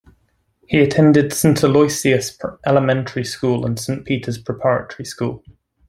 He attended Saint Aloysius elementary school and Saint Peter's Preparatory School.